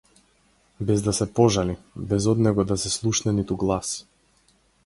Без да се пожали, без од него да се слушне ниту глас.